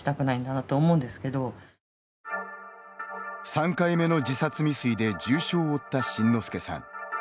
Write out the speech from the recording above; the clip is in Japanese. ３回目の自殺未遂で重傷を負った辰乃輔さん。